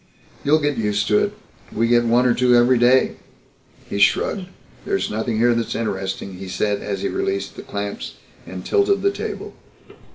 "You'll get used to it. We get one or two every day." He shrugged. "There's nothing here that's interesting," he said as he released the clamps and tilted the table.